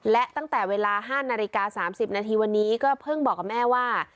และตั้งแต่เวลา๕นาฬิกา๓๐นาทีวันนี้ก็เพิ่งบอกกับแม่ว่า